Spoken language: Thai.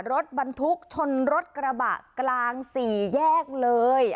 รถบรรทุกชนรถกระบะกลางสี่แยกเลย